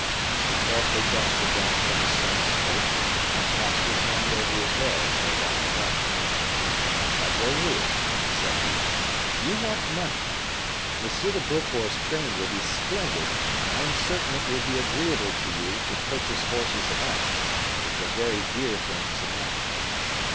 He carefully brushed the dust from his son's coat, and passed his hand over his hair as they walked along. "But, Raoul," said he, "you want money. M. de Beaufort's train will be splendid, and I am certain it will be agreeable to you to purchase horses and arms, which are very dear things in Africa.